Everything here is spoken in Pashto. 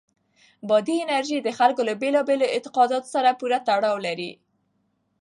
بادي انرژي د خلکو له بېلابېلو اعتقاداتو سره پوره تړاو لري.